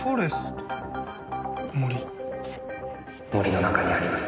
森の中にあります。